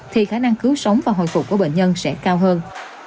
thì khả năng cứu sống và hồi phục của bệnh nhân sẽ cao hơn